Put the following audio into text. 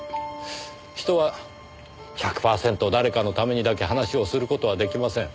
人は１００パーセント誰かのためにだけ話をする事は出来ません。